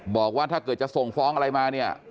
บอกว่าถ้าเกิดจะส่งฟ้องอะไรมาเนี่ย